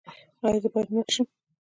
ایا زه باید مړ شم؟